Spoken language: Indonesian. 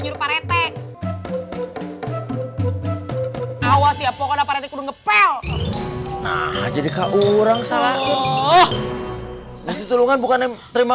ngapain awas ya pokoknya pada itu ngepel jadi kau orang salah ngasih tolongan bukan terima